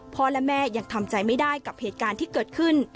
และแม่ยังทำใจไม่ได้กับเหตุการณ์ที่เกิดขึ้น